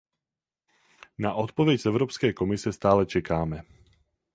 Na odpověď z Evropské komise stále čekáme.